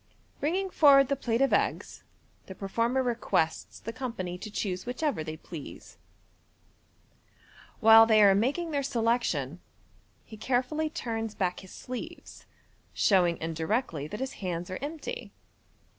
Bringing forward the plate of eggs, the performer requests the company to choose whichever they please. While they are making their selection, he carefully turns back his sleeves, showing indirectly that his hands are empty.